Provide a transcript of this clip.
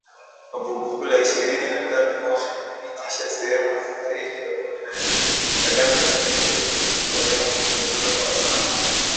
Vuguvugu la Ishirini na tatu wamedhibithi sehemu zaidi ya kumi na nne, Kagame na Tshisekedi wamekubali kupunguza uhasama